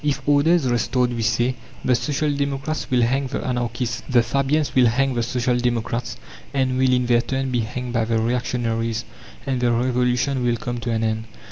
If "order is restored," we say, the social democrats will hang the anarchists; the Fabians will hang the social democrats, and will in their turn be hanged by the reactionaries; and the Revolution will come to an end.